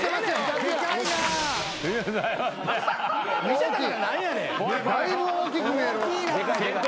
だいぶ大きく見える。